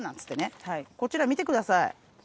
こちら見てください。